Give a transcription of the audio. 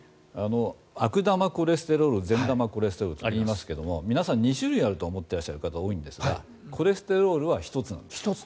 悪玉コレステロール善玉コレステロールって言いますけども皆さん２種類あると思っていらっしゃる方が多いんですがコレステロールは１つなんです。